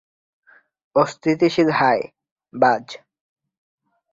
অস্থিতিশীল হাই, বায।